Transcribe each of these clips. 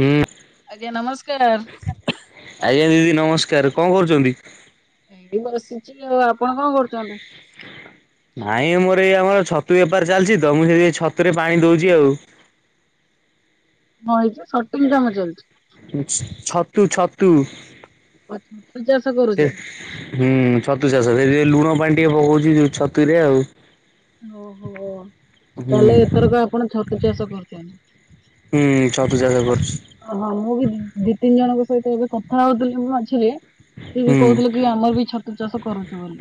ହୁଁ। ଆଜ୍ଞା ନମସ୍କାର। ଆଜ୍ଞା ଦିଦି ନମସ୍କାର କଣ କରୁଛନ୍ତି? ଏଇ ବସିଛି ଆଉ। ଆପଣ କଣ କରୁଛନ୍ତି? ନାଇଁ ମୋର ଏଇ ଆମର ଛତୁ ବେପାର ଚାଲିଛି ତ ମୁଁ ସେ ଛତୁରେ ପାଣି ଦଉଛି ଆଉ। ହଁ ଏଇ ଯେ ସଟିଂ କାମ ଚାଲିଛି। [unintelligible] ଛତୁ ଛତୁ। ଆ ଛତୁ ଚା ସେ ହୁଁ ଛତୁ ଚାଷ ସେ ଲୁଣ ପାଣି ଟିକେ ପକଉଛି ଯୋଉ ଛତୁରେ ଆଉ। ଓହୋ ହୁଁ ତାହେଲେ ଏଥରକ ଆପଣ ଛତୁ ଚାଷ କରୁଛନ୍ତି? ହୁଁ ଛତୁ ଚାଷ କରୁଛି। ଓହଁ ମୁଁ ବି ଦି ତିନି ଜଣଙ୍କ ସହିତ ଏବେ କଥା ହଉଥିଲି ମଝୀରେ ସିଏ ବି ହୁଁ। କହୁଥିଲେ କି ଆମର ବି ଛତୁ ଚାଷ କରୁଛୁ ବୋଲି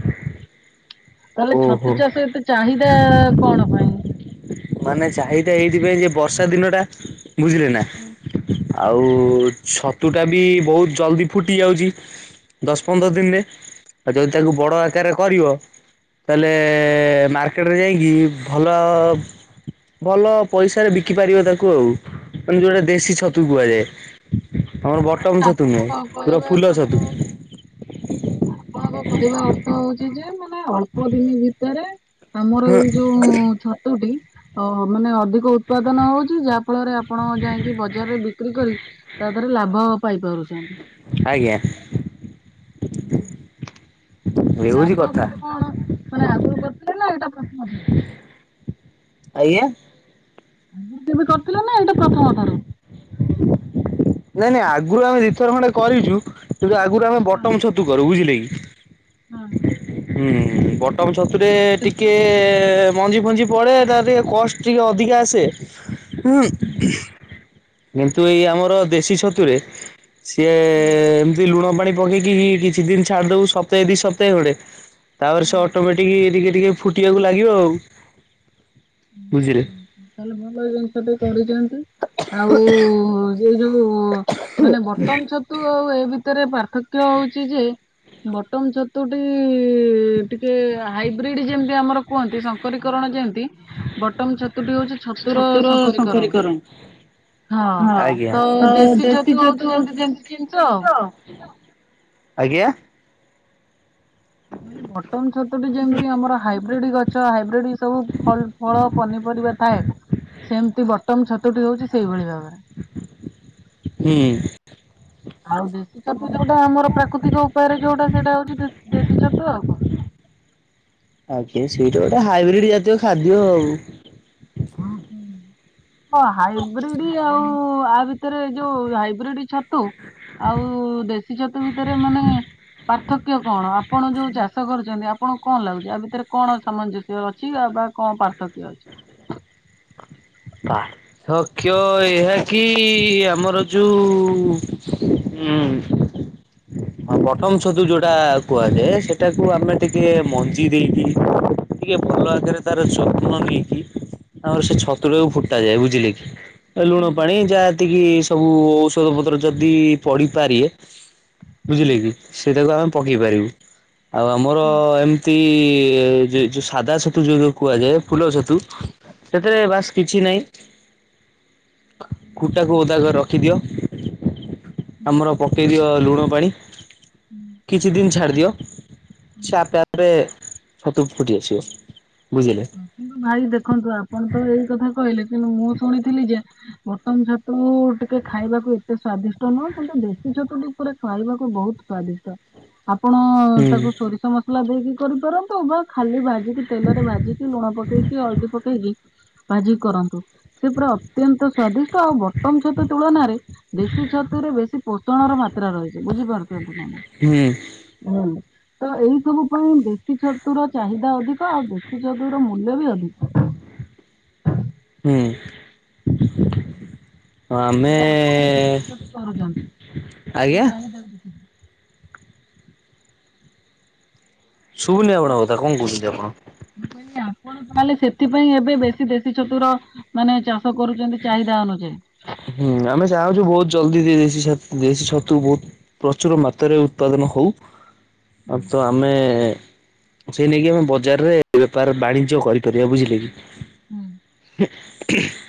ତାହେଲେ ଓହୋ ଛତୁ ଚାଷ ଏତେ ଚାହିଦା କଣ ପାଇଁ? ମାନେ ଚାହିଦା ଏଇଥିପାଇଁ ଯେ ବର୍ଷା ଦିନ ଟା ବୁଝିଲେ ନା? ଆଉ ଛତୁଟା ବି ବହୁତ ଜଲ୍ଦି ଫୁଟି ଯାଉଛି। ଦଶ ପନ୍ଦର ଦିନରେ ଆଉ ଯଦି ତାକୁ ବଡ଼ ଆକାରରେ କରିବ ତାହେଲେ ମାର୍କେଟରେ ଯାଇକି ଭଲ ଭଲ ପଇସାରେ ବିକି ପାରିବ ତାକୁ ଆଉ ମାନେ ଯୋଉଟା ଦେଶୀ ଛତୁ କୁହାଯାଏ। ଆମର ତାହେଲେ ବଟମ ଛତୁ ଆପଣ ନୁହଁ ପୁରା କହିବା ଫୁଲ ଅର୍ଥ ଛତୁ। ହଉଛି ଆପଣଙ୍କ କହିବା ଅର୍ଥ ହଉଛି ଯେ ମାନେ ଅଳ୍ପ ଦିନି ଭିତେରେ ଆମର ଏଇ ଯୋଉ ଛତୁଟି ଅ ମାନେ ଅଧିକ ଉତ୍ପାଦନ ହଉଛି ଯାହା ଫଳରେ ଆପଣ ଯାଇଁକି ବଜାରରେ ବିକ୍ରି କରି ତା ଲାଭ ପାଇପାରୁଛନ୍ତି। ଆଜ୍ଞା। [inaudible] ଏ ଆଚ୍ଛା ହଉଛି ଆପଣ କଥା କେତେ କଣ ମାନେ ଆଗରୁ କରିଥିଲେ ନା ଏଇଟା ପ୍ରଥମ ଥର? ଆଜ୍ଞା? ଆଗରୁ କେବେ କରିଥିଲେ ନା ଏଇଟା ପ୍ରଥମ ଥର? ନାଇଁ ନାଇଁ ଆଗରୁ ଆମେ ଦୁଇଥର ଖଣ୍ଡେ କରିଛୁ କିନ୍ତୁ ଆଗରୁ ଆମେ ହଁ ବଟମ ଛତୁ କରୁ ବୁଝିଲେ କି? ହଁ। ହୁଁ ବଟନ ଛତୁରେ କେତେଟା ଟିକେ କରିଦେଇଥିଲେ? ମଞ୍ଜି ଫଞ୍ଜି ପଡ଼େ ତାର ଟିକେ କଷ୍ଟ ଟିକେ ଅଧିକା ଆସେ। ହୁଁ କିନ୍ତୁ ଏଇ ଆମର ଦେଶୀ ଛତୁରେ ସିଏ ହୁଁ। ଲୁଣ ପାଣି ପକେଇକିରି କିଛି ଦିନ ଛାଡ଼ି ଦବୁ ସପ୍ତାହେ ଦି ସପ୍ତାହେ ଖଣ୍ଡେ। ତାପରେ ହୁଁ। ସେ ଅଟୋମେଟିକ୍ ଟିକେ ଟିକେ ଫୁଟିବାକୁ ଲାଗିବ ‌ଆଉ ବୁଝିଲେ? ତାହଲେ ଭଲ ଜିନିଷ ଟେ କରିଛନ୍ତି ଆଉ ସେଇ ଯୋଉ ମାନେ ବଟମ ଛତୁ ଆଉ ଏ ଭିତରେ ପାର୍ଥକ୍ୟ ହଉଛିି ଯେ ବଟନ ଛତୁଟି ଟିକେ ହାଇବ୍ରିଡ ଯେମିତି ଆମର କୁହନ୍ତି ସମ୍ କରିକରଣ ଯେମତି ବଟମ ଛତୁଟି ହଉଛି ଛତୁର [unintelligible] ଶଙ୍କରୀକରଣ। ଶଙ୍କରୀକରଉଁ ହଁ ତ ଦେଶୀ ଛତୁ ଯେମିତି ହଉଛି ଦେଶୀ ଜିନିଷ ଯେମତି ଆଉ। ତ ମୁଁ ଆଜ୍ଞା? [unintelligible] ବଟନ ଛତୁଟି ଯେମିତି ଆମର ହାଇବ୍ରିଡ଼ ଗଛ ହାଇବ୍ରିଡ଼ ସବୁ ଫଳ୍ ଫଳ ପନିପରିବା ଥାଏ। ସେମିତି ବଟମ ଛତୁଟି ହଉଛି ସେଇଭଳି ଭାବରେ। ହୁଁ। ଆଉ ଦେଶୀ ଛତୁ ଯୋଉଟା ଆମର ପ୍ରାକୃତିକ ଉପାୟରେ ଯୋଉଟା ସେଇଟା ହଉଛି ଦେଶୀ ଛତୁ ଆଉ କଣ? ଆଜ୍ଞା ସେଇଟା ଗୋଟେ ହାଇବ୍ରିଡ ଜାତୀୟ ଖାଦ୍ୟ ଆଉ। ହୁଁ ହଁ ହାଇବ୍ରିଡ ଆଉ ଆ ଭିତରେ ଯୋଉ ହାଇବ୍ରିଡ ଛତୁ ଆଉ ଦେଶୀ ଛତୁ ଭିତରେ ମାନେ ପାର୍ଥକ୍ୟ କଣ ଆପଣ ଯୋଉ ଚାଷ କରୁଛନ୍ତି ଆପଣଙ୍କୁ କଣ ଲାଗୁଛି ଆ ଭିତରେ କଣ ସାମଞ୍ଜସ୍ୟ ସେ ଅଛି ଅବା କଣ ପାର୍ଥକ୍ୟ ଅଛି? ପାର୍ଥକ୍ୟ ଏହା କି ଆମର ଯୋଉ ହୁଁ। ହଁ ବଟମ ଛତୁ ଯୋଉଟା କୁହାଯାଏ ସେଟାକୁ ଆମେ ଟିକେ ମଞ୍ଜି ଦେଇକି ଟିକେ ଭଲ ଆକାରେ ତାର ଯତ୍ନ ନେଇକି ତାପରେ ସେ ଛତୁ ଟାକୁ ଫୁଟା ଯାଏ ବୁଝିଲେ କି? ଲୁଣ ପାଣି ଯାହା ଏତିକି ସବୁ ଔଷଧ ପତ୍ର ଯଦି ପଡିପାରେଏ ବୁଝିଲେ କି ସେଇଟାକୁ ଆମେ ପକେଇ ପାରିବୁ ଆଉ ଆମର ଏମିତି ଏ ଯେ ଯୋଉ ସାଧା ଛତୁ ଯୋଉ ଯୋଉ କୁହାଯାଏ ଫୁଲ ଛତୁ ସେଥିରେ ବାସ୍ କିଛି ନାଇଁ। କୁଟାକୁ ଓଦା କରି ରଖିଦିଅ। ଆମର ପକେଇ ଦିଅ ଲୁଣ ପାଣି। ହୁଁ। କିଛି ଦିନ ଛାଡ଼ିଦିଅ ସେ ଆପେ ଆପେ ଛତୁ ଫୁଟି ଆସିବ। ବୁଝିଲେ କିନ୍ତୁ ଭାଇ ଦେଖନ୍ତୁ ଆପଣ ତ ଏଇ କଥା କହିଲେ କିନ୍ତୁ ମୁଁ ଶୁଣିଥିଲି ଯେ ବତମ ଛତୁ ଟିକେ ଖାଇବାକୁ ଏତେ ସ୍ଵାଦିଷ୍ଟ ନୁହଁ କିନ୍ତୁ ଦେଶୀ ଛତୁ ଟି ପୁରା ଖାଇବାକୁ ବହୁତ ସ୍ଵାଦିଷ୍ଟ। ଆପଣ ହୁଁ ତାକୁ ସୋରିଷ ମସଲା ଦେଇକି କରିପାରନ୍ତୁ ବା ଖାଲି ଭାଜିକି ତେଲରେ ଭା ଟିକେ ଲୁଣ ପକେଇକି ହଳଦୀ ପକେଇକି ଭାଜି କରନ୍ତୁ। ସେ ପୁରା ଅତ୍ୟନ୍ତ ସ୍ଵାଦିଷ୍ଟ ଆଉ ବଟମଛତୁ ତୁଳନା ରେ ଦେଶୀ ଛତୁରେ ବେଶୀ ପୋଷଣ ର ମାତ୍ରା ରହିଛି ବୁଝିପାରୁଛନ୍ତି ନା ନାଇଁ। ହୁଁ। ହୁଁ ତ ଏଇ ସବୁ ପାଇଁ ଦେଶୀ ଛତୁର ଚାହିଦା ଅଧିକ ଆଉ ଦେ ଦେଶି ଛତୁ ର ମୂଲ୍ୟ ବି ଅଧିକ। ହୁଁ। ଆଉ ଆମେ ତାହେଲେ ଆପଣ ଏବେ ଦେଶି ଛତୁ କରୁଛନ୍ତି କି ଆଜ୍ଞା। ଚାହିଦା ବେଶି ଟିକେ। ଶୁଭୁନି ଆପଣଙ୍କ କଥା କଣ କହୁଛନ୍ତି ଆପଣ। ମୁଁ କହିଲି ଆପଣ ଆପଣ ତାହେଲେ ସେଥିପାଇଁ ଏବେ ବେଶୀ ଦେଶୀ ଛତୁର ମାନେ ଚାଷ କରୁଛନ୍ତି ଚାହିଦା ଅନୁଯାୟୀ। ହୁଁ ଆମେ ଚାହୁଁଛୁ ବହୁତ୍ ଜଲଦି ଦେଶୀ ଦେଶୀ ଛତୁ ବହୁତ୍ ପ୍ରଚୁର ମାତ୍ରାରେ ଉତ୍ପାଦନ ହଉ ହୁଁ ତ ଆମେ ସେ ନେଇକି ଆମେ ବଜାରରେ ବେପାର ବାଣିଜ୍ୟ କରିପାରିବା ବୁଝିଲେ କି। ହୁଁ। [inaudible]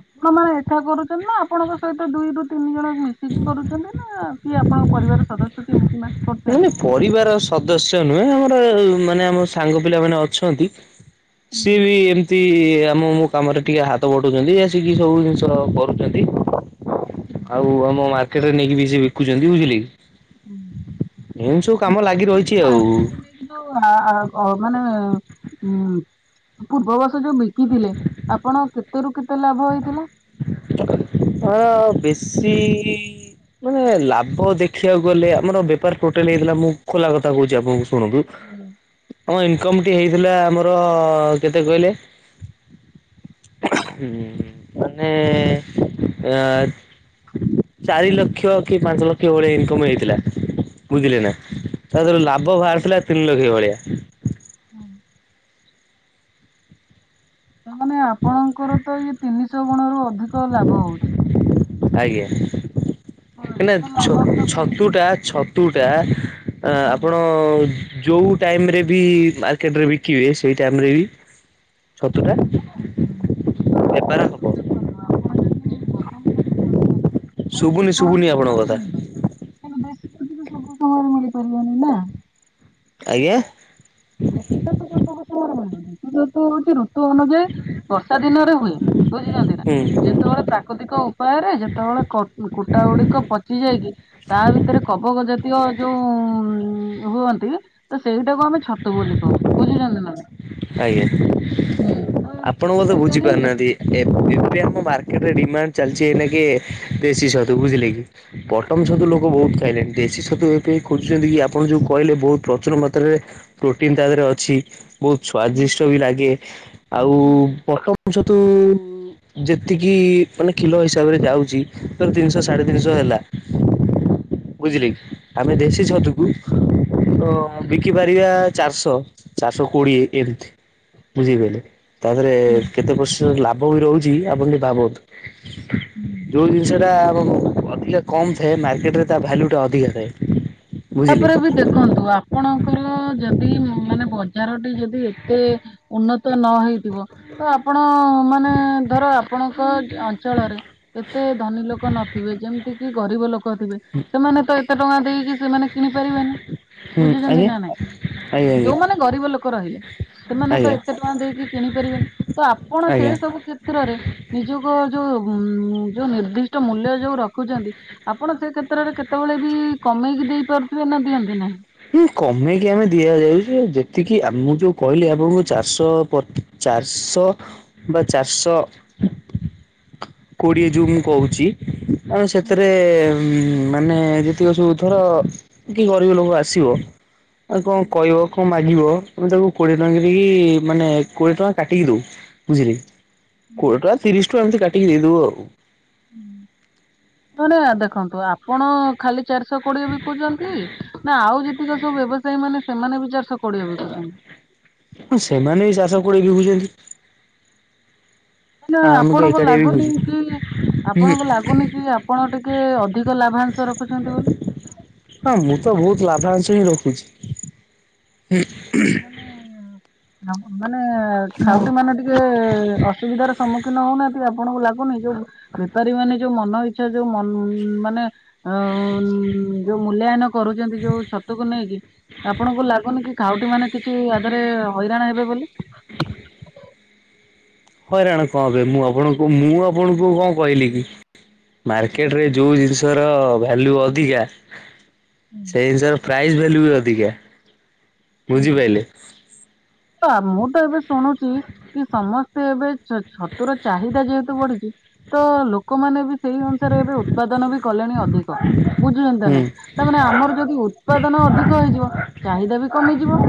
ଆପଣ ମାନେ ହିସାବ କରୁଛନ୍ତି ନା ଆପଣଙ୍କ ସହିତ ଦୁଇ ରୁ ତିନି ଜଣ ମିଶିକି କରୁଛନ୍ତି ନା କିଏ ଆପଣଙ୍କ ପରିବାର ସଦସ୍ୟ କିଏ ମିଶି ମାସ କରୁ ମାନେ ପରିବାର ସଦସ୍ୟ ନୁହେଁ ଆମର ମାନେ ଆମ ସାଙ୍ଗ ପିଲା ମାନେ ଅଛନ୍ତି। ହୁଁ। ସିଏ ବି ଏମତି ଆମ ମୁ କାମରେ ଟିକେ ହାତ ବଟୁଛନ୍ତି ଆସିକି ସବୁ ଜିନିଷ କରୁଛନ୍ତି ଆଉ ଆମ ମା ସେଟା ନେଇକି ବି ସେ ବିକୁୁଛନ୍ତି ବୁଝିଲେ କି। ହୁଁ। ଏମିତି ସବୁ କାମ ଲାଗି ରହିଛି ଆଉ। ଯୋଉ ମାନେ ଉଁ ପୂର୍ବବର୍ଷର ଯୋଉ ବୁଝିଲେ ଆପଣ କେତେ ରୁ କେତେ ଲାଭ ହେଇଥିଲା। ଅ ବେଶି ମାନେ ଲାଭ ଦେଖିବାକୁ ଗଲେ ଆମର ବେପାର ଟୋଟାଲ ହେଇଥିଲା ମୁଁ ଖୋଲା କଥା କହୁଛି ଆପଣଙ୍କୁ ଶୁଣନ୍ତୁ ଆମ ଇନକମ ଟି ହେଇଥିଲା ଆମର କେତେ କହିଲେ? ହୁଁ ମାନେ ଏ ଚାରି ଲକ୍ଷ କି ପାଞ୍ଚ ଲକ୍ଷ ଭଳିଆ ଇନକମ ହେଇଥିଲା। ବୁଝିଲେ ନା ତା [unintelligible] ଲାଭ ବାହାରିଥିଲା ତିନିିଲକ୍ଷ ଭଳିଆ। ମାନେ ଆପଣଙ୍କର ତ ଇଏ ତିନିଶହ ଗୁଣ ରୁ ଅଧିକ ଲାଭ ହଉଛି। ହଁ ଆଜ୍ଞା ଏତେ ଛ ଲାଭାନ୍ଵିତ କରିବି ଛତୁ ଟା ଛ ତୁଟା ନା, ଆପଣ ଯୋଉ ଟାଇମ ରେ ବି ମାର୍କେଟରେ ବିକିବେ ସେଇ ଟାଇମରେ ବି ଛତୁ ଟା ଆପଣ ଯୋଉ ଦେଖନ୍ତୁ ଆପଣ ଯଦି ବଟମ ଛତୁ କରୁଛନ୍ତି ହେଲେ ଶୁଭୁନି ଶୁଭୁନି ଯେକୌଣସି ଆପଣଙ୍କ ସମୟରେ କଥା। ମିଳିପାରିବ। [unintelligible] ସବୁ ସମୟରେ ମିଳିପାରିବାନି ନା। ଆଜ୍ଞା? ଛତୁ ଚାଷ କଣ ସବୁ ସମୟରେ ମିଳିବ ଛତୁ ହଉଛି ଋତୁ ଅନୁଯାୟୀ ବର୍ଷା ଦିନରେ ହୁଏ। ବୁଝୁଛନ୍ତି ନା? ହୁଁ ହୁଁ ଯେତେବେଳେ ପ୍ରାକୃତିକ ଉପାୟରେ ଯେତେବେଳେ କୁଟା ଗୁଡିକ ପଚି ଯାଇଚି ତା ଭିତରେ କବକ ଜାତୀୟ ଯୋଉ ହୁଅନ୍ତି ତ ସେଇଟାକୁ ଆମେ ଛ ତୁ ବୋଲି କହୁ ବୁଝୁଛନ୍ତି ନା? ଆଜ୍ଞା ତ ଆପଣ ବୋଧେ ବୁଝିପାରୁନାହାନ୍ତି ଏ ଏବେ ଆମ ମାର୍କେଟ ରେ ଡିମାଣ୍ଡ ଚାଲିଛି ଏଇନା କି ଦେଶୀ ଛତୁ ବୁଝିଲେ କି ବଟମ ଛତୁ ଲୋକୋ ବହୁତ ଖାଇଲେଣି ଦେଶୀ ଛତୁ ଏବେ ଖୋଜୁଛନ୍ତି କି ଆପଣ ଯେଉଁ କହିଲେ ବହୁତ ପ୍ରଚୁର ମାତ୍ରାରେ ପ୍ରୋଟିନ୍ ତା ଦେହରେ ଅଛି ବହୁତ ସ୍ଵାଦିଷ୍ଟ ବି ଲାଗେ ଆଉ ବଟମ ଛତୁ ଯେତିକି ମାନେ କିଲୋ ହିସାବରେ ଯାଉଛି ତ ତିନିଶହ ସାଢେ ତିନିଶହ ହେଲା ବୁଝିଲେ କି? ଆମେ ଦେଶୀ ଛତୁକୁ ତ ବିକିପାରିବା ଚାରିଶହ ଚାରିଶହ କୋଡିଏ। ଏମିତି ବୁଝିପାରିଲେ ତା ଦେହରେ କେତେ ପରସେଣ୍ଟ ଲାଭ ବି ରହୁଛି ଆପଣ ଭାବନ୍ତୁ। ଯୋଉ ଜିନିଷ ଟା ଆମ ଅଧିକା କମ୍ ଥାଏ ମାର୍କେଟରେ ତା ଭ୍ୟଲୁଟା ଅଧିକା ଥାଏ। ବୁଝିଲେ। ତାପରେ ବି ଦେଖନ୍ତୁ ଆ ପଣଙ୍କର ଯଦି ମାନେ ବଜାରଟି ଯଦି ଏତେ ଉନ୍ନତ ନହେଇଥିବ ତ ଆପଣ ମାନେ ଧର ଆପଣଙ୍କ ଅଞ୍ଚଳରେ ଏତେ ଧନୀ ଲୋକ ନଥିବେ ଯେମିତି କି ଗରିବ ଲୋକ ଥିବେ ସେମାନେ ତ ଏତେ ଟଙ୍କା ଦେଇକି ସେମାନେ କିଣିପାରିବେନି। ହୁଁ ଆଜ୍ଞା। ଆଜ୍ଞା ଯୋଉମାନେ ଗରିବ ଲୋକ ରହିଲେ ଆଜ୍ଞା ସେମାନେ ତ ଆଜ୍ଞା ଏତେ ଟଙ୍କା ଦେଇକି କିଣିପାରିବେନି ତ ଆପଣ ସେ ଆଜ୍ଞା। ସବୁ କ୍ଷେତ୍ରରେ ନିଜକୁ ଯୋଉ ଉ ଯୋଉ ନିର୍ଦ୍ଦିଷ୍ଟ ମୂଲ୍ୟ ଯୋଉ ରଖୁଛନ୍ତି ଆପଣ ସେ କ୍ଷେତ୍ରରେ କେତେବେଳେ ବି କମେଇକି ଦେଇ ପାରୁଥିବେ ନା ଦିଅନ୍ତି ନାହିଁ? ହୁଁ କମେଇକି ଆମେ ଦିଆଯାଏ ଯେ ଯେତିକି ମୁଁ ଯୋଉ କହିଲି ଆପଣଙ୍କୁ ଚାରିଶହ ଚାରିଶହ ବା ଚାରିଶହ କୋଡ଼ିଏ ଯୋଉଁ ମୁଁ କହୁଛି ଆମେ ସେଥିରେ ମାନେ ଯେତିକ ସବୁ ଥର କି ଗରିବ ଲୋକ ଆସ ଆସିବ କଣ କହିବ କଣ ମାଗି। ଆମେ ତାକୁ କୋଡିଏ ଟଙ୍କା କରିକି ମାନେ କୋଡିଏ ଟଙ୍କା କାଟିକି ଦଉ ବୁଝିଲେ। କୋଡିଏ ଟଙ୍କା ତିରିଶ ଟଙ୍କା ଏମିତି କାଟିକି ଦେଇଦବୁ ଆଉ। ଦେଖନ୍ତୁ। ଆପଣ ଖାଲି ଚାରିଶହ କୋଡିଏ ବିକୁଛନ୍ତି ନା ଆଉ ଯେତିକ ସବୁ ବ୍ୟବସାୟୀ ମାନେ। ସେମାନେ ବି ଚାରିଶହ କୋଡ଼ିଏ ବିକୁଛନ୍ତି। ହଁ ସେମାନେ ବି ଚାରିଶହ କୋଡ଼ିଏ ବିକୁଛନ୍ତି। ନା ଆଉ ଆମେ କଣ ଆପଣଙ୍କୁ ଏକାଟିଆ ଲାଗୁନି ବିକୁଛୁ। କି ଆପଣଙ୍କୁ ଲାଗୁନି କି। ଆପଣ ଟିକେ ଅଧିକ ଲାଭାଂଶ ରଖୁଛନ୍ତି ବୋଲି। ହଁ ମୁଁ ତ ବହୁତ ଲାଭାଂଶ ହିଁ ରଖୁଛି। ମାନେ ହଁ। ଖାଉଟି ମାନେ ଟିକେ। ଟିକେ ଅସୁବିଧାରେ ସମ୍ମୁଖୀନ ହଉନାହାନ୍ତି ଆପଣଙ୍କୁ ଲାଗୁନି ଯୋଉ। ବେପାରୀ ମାନେ ଯୋଉ ମନ ଇଚ୍ଛା ଯୋଉ ମ ମାନେ। ଆଉ ଯୋଉ ମୂଲ୍ୟାୟନ କରୁଛନ୍ତି ଯୋଉ ଛତୁକୁ ନେଇକି। ଆପଣଙ୍କୁ ଲାଗୁନି କି ଖାଉଟି ମାନେ କିଛି ୟା ଦେହରେ ହଇରାଣ ହେବେ ବୋଲି। ହଇରାଣ କଣ ଏ ମୁଁ ଆପଣଙ୍କୁ ମୁଁ ଆପଣଙ୍କୁ କଣ କହିଲି କି। ମାର୍କେଟରେ ଯୋଉ ଜିନିଷ ର ଭ୍ୟାଲୁ ଅଧିକା। ସେଇ ଜିନିଷର ପ୍ରାଇସ୍ ଭାଲ୍ୟୁ ବି ଅଧିକା ବୁଝିପାରିଲେ। ତ ମୁଁ ତ ଏବେ ଶୁଣୁଛି। କି ସମସ୍ତେ ଏବେ ଛ ଛତୁର ଚାହିଦା ଯେହେତୁ ବଢିଛି ତ ଲୋକମାନେ। ସେଇ ଅନୁସାରେ ଏବେ ଉତ୍ପାଦନ ବି କଲେଣି ଅଧିକ ବୁଝୁଛନ୍ତି ନ ହୁଁ ନାଇ। ତା ମାନେ ଆମର ଯଦି ଉତ୍ପାଦନ ଅଧିକ ହେଇଯିବ ଚାହିଦା ବି କମିଯିବ।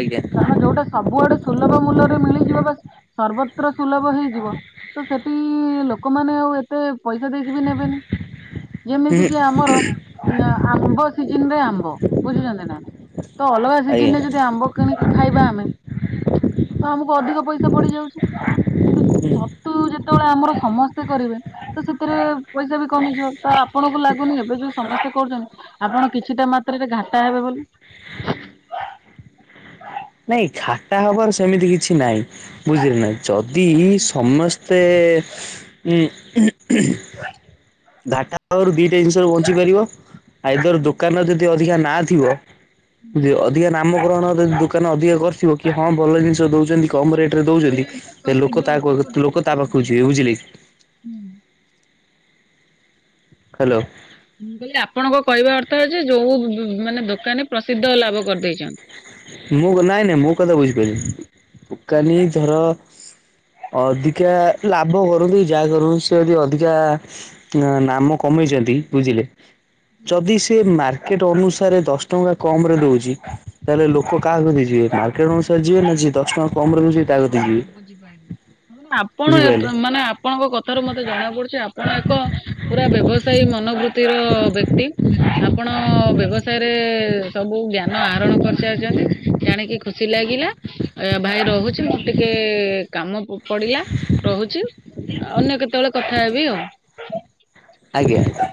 ଆଜ୍ଞା। ହଁ ଯୋଉଟା ସବୁଆଡେ ସୁଲଭ ମୂଲ୍ୟରେ ମିଳିଯିବ ବା ସର୍ବତ୍ର ସୁଲଭ ହେଇଯିବ ତ ସେଠି ଲୋକମାନେ ଆଉ ଏତେ ପଇସା ଦେଇକି ବି ନେବେନି। ଯେମିତି ହୁଁ କି ଆମର ଆମ୍ବ ସିଜନରେ ଆମ୍ବ ବୁଝୁଛନ୍ତି ନା। ତ ଅଲଗା ଆଜ୍ଞା ସିଜନ ରେ ଯଦି ଆମ୍ବ କିଣିକି ଖାଇବା ଆମେ ତ ଆମକୁ ଅଧିକ ପଇସା ପଡି ଯାଉଛି। କିନ୍ତୁ ହୁଁ। ଛତୁ ଯେତେବେଳେ ଆମର ସମସ୍ତେ କରିବେ। ତ ସେଥିରେ ପଇସା ବି କମିଯିବ ତ ଆପଣଙ୍କୁ ଲାଗୁନି ଏବେ ଯୋଉ ସମସ୍ତେ କରୁଛନ୍ତି ଆପଣ କିଛିଟା ମାତ୍ରାରେ ଘାଟା ହେବେ ବୋଲି। ନାଇଁ ଘାଟା ହବାର ସେମିତି କିଛି ନାଇଁ ବୁଝିଲେ ନା ଯଦି ସମସ୍ ତେ ହୁଁ--ହୁଁ ହୁଁ ଘାଟା ପାଖରୁ ଦିଟା ଜିନିଷ ବଞ୍ଚି ପାରିବ ଆଇଦର୍ ଦୋକାନ ଅଧିକା ନାଁ ଥିବ ଯେ ଅଧିକା ନାମ କରଣ ଦୋ ଦୋକାନ ଅଧିକ କରିଥିବ କି ହଁ ଭଲ ଜିନିଷ ଦଉ ଛନ୍ତି କମ ରେଟ ରେ ଦଉଛନ୍ତି ଟେ ଲୋକ ତା ଲୋକ ତା ପାଖକୁ ଯିବେ ବୁଝିଲେ କି। ହୁଁ ହ୍ୟାଲୋ ମୁଁ କହିଲି ଆପଣଙ୍କ କହିବା ଅର୍ଥ ଯେ ଯୋଉ ମାନେ ଦୋକାନୀ ପ୍ରସିଦ୍ଧ ଲାଭ କରିଦେଇଛନ୍ତି। ମୁଁ ନାଇଁ ନାଇଁ ମୁଁ କଥା ବୁଝିପାଇଲେନି ଦୋକାନୀ ଧର ଅଧିକା ଲାଭ କରୁ କି ଯାହା କରୁ ସେ ଯଦି ଅଧିକା ନାମ କମେଇଛନ୍ତି ବୁଝିଲେ। ଯଦି ସେ ମାର୍କେଟ ଅନୁସାରେ ଦଶ ଟଙ୍କା କମ ରେ ଦଉଛି ତାହେଲେ ଲୋ ଲୋକ କାହାକୁ ଯିବେ ମାର୍କେଟ ଅନୁସାରେ ଯିବେ ନା ଯ ଦଶ ଟଙ୍କା କମରେ ତାହା କତି କି ଯିବେ। ଆପଣ ଏତ ବୁଝିପାରିଲେ ମାନେ ଆପଣଙ୍କ କଥାରୁ ମତେ ଜଣା ପଡୁଛି ଆପଣ ଏକ ପୁରା ବ୍ୟବସାୟୀ ମନବୃତ୍ତି ର ବ୍ୟକ୍ତି ଆପଣ ବ୍ୟବସାୟରେ ସବୁ ଜ୍ଞାନ ଆହରଣ କରିସାରି ଚନ୍ତି। ଜାଣିକି ଖୁସି ଲାଗିଲା ବାଏ ରହୁ ଛି ମୋର ଟିକେ କାମ ପଡିଲା ରହୁଚି। ଆ ଅନ୍ୟ କେତେବେଳେ କଥା ହେବି ଆଉ। ଆଜ୍ଞା ଆଜ୍ଞା।